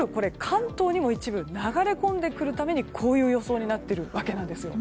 関東にも一部流れ込んでくるためにこういう予想になっているわけなんですよ。